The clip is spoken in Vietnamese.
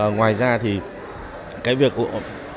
ngoài ra thì cái việc ảnh hưởng trực tiếp đến người sử dụng